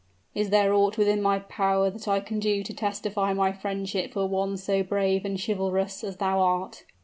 "Is there aught within my power that I can do to testify my friendship for one so brave and chivalrous as thou art?"